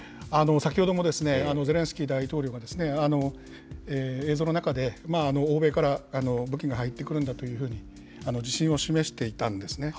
先ほども、ゼレンスキー大統領が映像の中で、欧米から武器が入ってくるんだというふうに自信を示していたんですね。